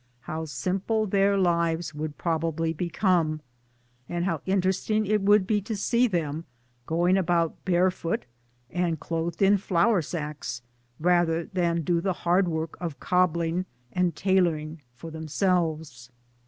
how simpld their lives would probably become and how interest ing it would be to see them going about barefoot and clothed in flour sacks, rather than do the hard work of cobbling and tailoring for therm selves.